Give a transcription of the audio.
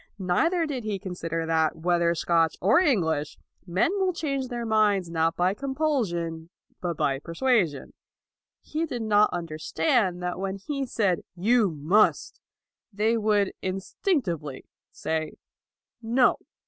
Neither did he con sider that, whether Scotch or English, men 228 LAUD will change their minds not by compulsion but by persuasion; he did not understand that when he said " You must," they would instinctively say " No.'